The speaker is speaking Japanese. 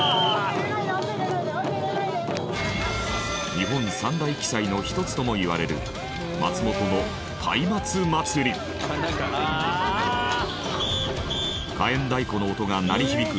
日本三大奇祭の一つともいわれる松本の火焔太鼓の音が鳴り響く